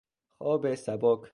خواب سبک